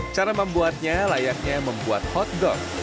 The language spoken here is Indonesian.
cara membuatnya layaknya membuat hotdog